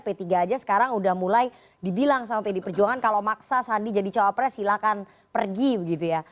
p tiga saja sekarang sudah mulai dibilang sama pdi perjuangan kalau maksa sandi jadi cowok pres silahkan pergi begitu ya